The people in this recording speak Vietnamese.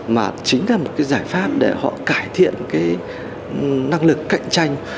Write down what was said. mà chính là một cái giải pháp để họ cải thiện cái năng lực cạnh tranh